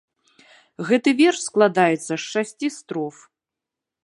Гэта верш складаецца з шасці строф.